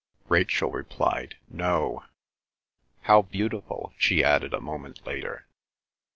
Rachel replied, "No. ... How beautiful!" she added a moment later.